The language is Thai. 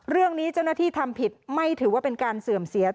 เรื่องนี้เจ้าหน้าที่ทำผิดไม่ถือว่าเป็นการเสื่อมเสีย